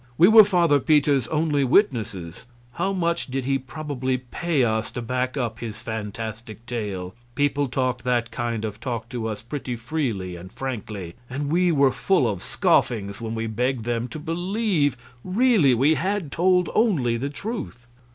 We were Father Peter's only witnesses; how much did he probably pay us to back up his fantastic tale? People talked that kind of talk to us pretty freely and frankly, and were full of scoffings when we begged them to believe really we had told only the truth.